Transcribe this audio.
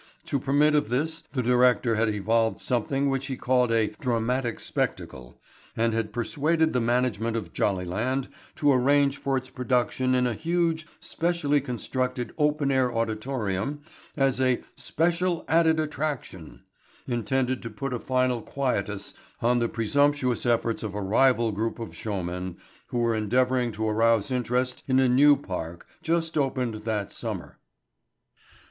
To permit of this the director had evolved something which he called a "dramatic spectacle" and had persuaded the management of Jollyland to arrange for its production in a huge, specially constructed open air auditorium as a "special added attraction" intended to put a final quietus on the presumptuous efforts of a rival group of showmen who were endeavoring to arouse interest in a new park just opened that summer.